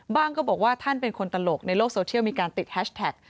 ก็บอกว่าท่านเป็นคนตลกในโลกโซเชียลมีการติดแฮชแท็ก